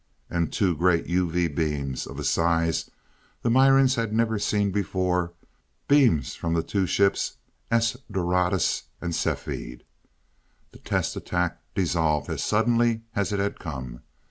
And two great UV beams of a size the Mirans had never seen before, beams from the two ships, "S Doradus" and "Cepheid." The test attack dissolved as suddenly as it had come.